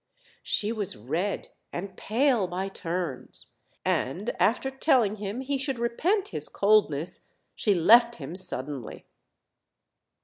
She was red and pale by turns; and after telling him he should repent his coldness, she left him suddenly.